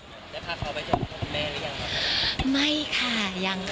จะพาเขาไปเจอพ่อแม่หรือยังคะ